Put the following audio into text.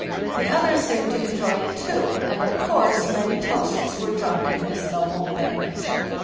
The others seemed to enjoy it too, and, of course, many toasts were drunk in this noble beverage.